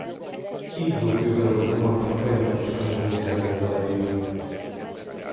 Izzó kődarabok zuhantak folyamatosan a vulkán oldalaira.